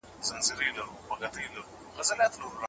زما نصیب یوازې د دې ونې په وچه سیوري کې ناسته ده.